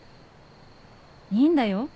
いいんだよ